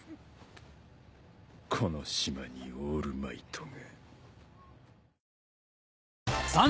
この島にオールマイトが。